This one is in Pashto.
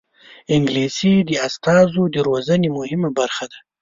انګلیسي د استازو د روزنې مهمه برخه ده